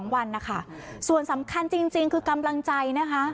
วันนะคะส่วนสำคัญจริงคือกำลังใจนะคะ